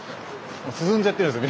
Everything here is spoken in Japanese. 進んじゃってるんですよ